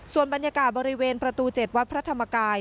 ส่วนบรรยากาศบริเวณประตู๗วัดพระธรรมกาย